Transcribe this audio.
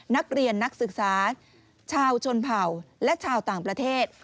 นักศึกษาชาวชนเผ่าและชาวต่างประเทศ